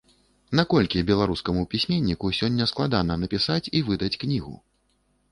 Наколькі беларускаму пісьменніку сёння складана напісаць і выдаць кнігу?